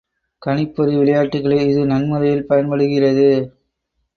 கணிப்பொறி விளையாட்டுகளில் இது நன்முறையில் பயன்படுகிறது.